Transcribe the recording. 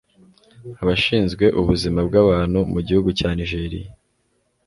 Abashinzwe ubuzima bw,abantu mu gihugu cya Nigeria